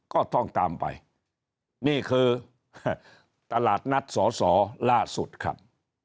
ก็ต้องตามไปนี่คือตลาดนัดสอสอล่าสุดครับ